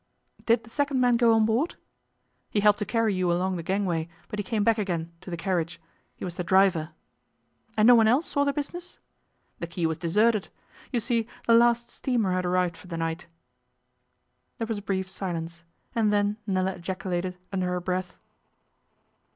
'Did the second man go on board?' 'He helped to carry you along the gangway, but he came back again to the carriage. He was the driver.' 'And no one else saw the business?' 'The quay was deserted. You see, the last steamer had arrived for the night.' There was a brief silence, and then Nella ejaculated, under her breath.